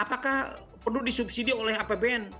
apakah perlu disubsidi oleh apbn